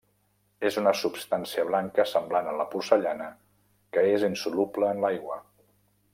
És una substància blanca semblant a la porcellana que és insoluble en l'aigua.